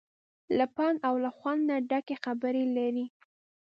له پند او له خوند نه ډکې خبرې لري.